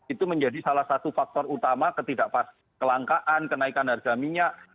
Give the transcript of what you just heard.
itu menjadi salah satu faktor utama ketidaklangkaan kenaikan harga minyak